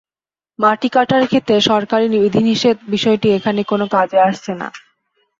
মাটি কাটার ক্ষেত্রে সরকারি বিধিনিষেধের বিষয়টি এখানে কোনো কাজে আসছে না।